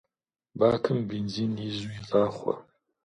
Бакым бензин изу игъахъуэ.